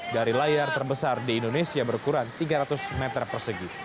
dari layar terbesar di indonesia berukuran tiga ratus meter persegi